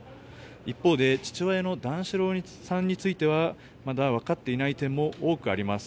一方で父親の段四郎さんについてはまだわかっていない点も多くあります。